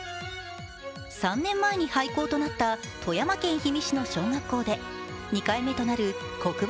３年前に廃校となった富山県氷見市の小学校で、２回目となる黒板